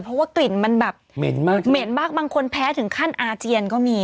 เพราะว่ากลิ่นมันแบบเหม็นมากเหม็นมากบางคนแพ้ถึงขั้นอาเจียนก็มี